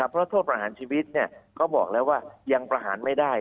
เพราะโทษประหารชีวิตเขาบอกแล้วว่ายังประหารไม่ได้